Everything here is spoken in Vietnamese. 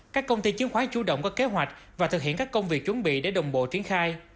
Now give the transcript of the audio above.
các công ty chứng khoán chủ động có kế hoạch và thực hiện các công việc chuẩn bị để đồng bộ triển khai